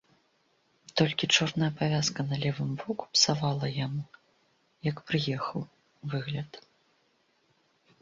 Толькі чорная павязка на левым воку псавала яму, як прыехаў, выгляд.